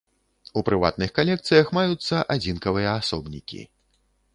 У прыватных калекцыях маюцца адзінкавыя асобнікі.